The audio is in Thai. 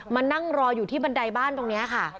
มานั่งรออยู่ที่บันไดบ้านตรงนี้ค่ะ